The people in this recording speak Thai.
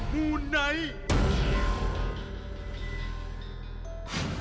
มูไนท์